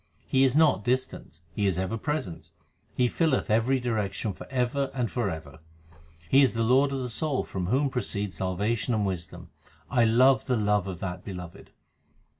He is not distant ; He is ever present ; He filleth every direction for ever and for ever. He is the Lord of the soul from whom proceed salvation and wisdom ; I love the love of that Beloved.